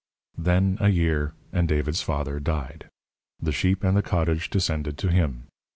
Then a year, and David's father died. The sheep and the cottage descended to him.